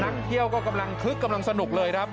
เที่ยวก็กำลังคึกกำลังสนุกเลยครับ